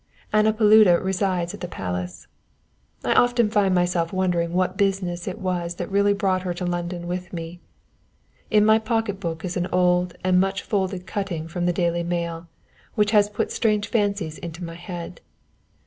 Anna Paluda resides at the palace. I often find myself wondering what business it was that really brought her to London with me. In my pocket book is an old and much folded cutting from the Daily Mail which has put strange fancies into my head.